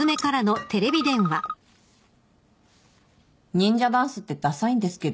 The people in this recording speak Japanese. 忍者ダンスってださいんですけど。